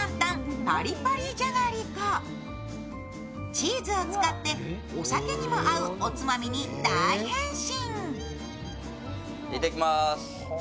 チーズを使ってお酒にも合うおつまみに大変身。